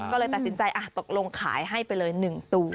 ก็เลยตัดสินใจตกลงขายให้ไปเลย๑ตัว